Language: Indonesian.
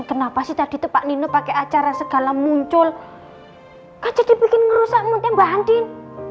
kenapa sih tadi tepatnya pakai acara segala muncul jadi bikin ngerusaknya mbak andin